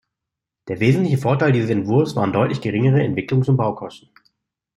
Der wesentliche Vorteil dieses Entwurfs waren deutlich geringere Entwicklungs- und Baukosten.